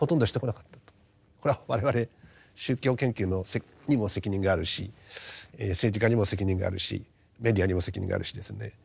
これは我々宗教研究にも責任があるし政治家にも責任があるしメディアにも責任があるしですね。